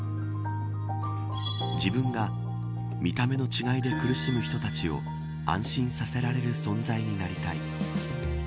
自分が見た目の違いで苦しむ人たちを安心させられる存在になりたい。